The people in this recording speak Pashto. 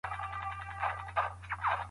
هغه وایي چې میډیا د ټولنې هنداره ده.